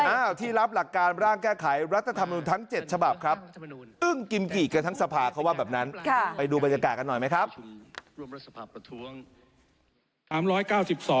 ที่รับหลักการร่างแก้ไขรัฐธรรมนุนทั้ง๗ฉบับครับอึ้งกิมกี่กันทั้งสภาเขาว่าแบบนั้นไปดูบรรยากาศกันหน่อยไหมครับ